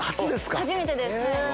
初めてです。